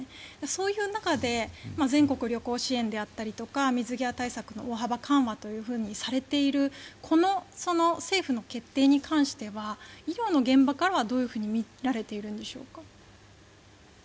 そういう中で全国旅行支援であったりとか水際対策の大幅緩和とされているこの政府の決定に関しては医療の現場からはどう見られているんでしょうか？